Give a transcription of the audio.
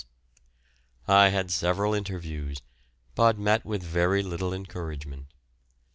I had several interviews, but met with very little encouragement.